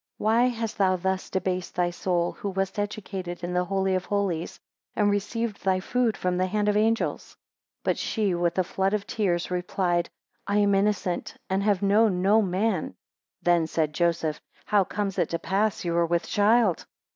9 Why hast thou thus debased thy soul, who wast educated in the Holy of Holies, and received thy food from the hand of angels? 10 But she, with a flood of tears, replied, I am innocent, and have known no man. 11 Then said Joseph, How comes it to pass you are with child?